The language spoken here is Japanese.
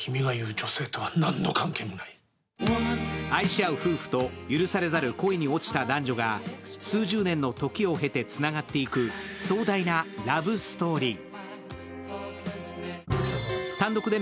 愛し合う夫婦と許されざる恋に落ちた男女が数十年の時を経てつながっていく壮大なラブストーリー。